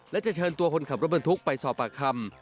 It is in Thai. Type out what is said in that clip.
และจะเชิญตัวคนขับรถบรรทุกไปสอบปากคำ